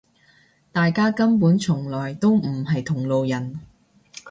大家根本從來都唔係同路人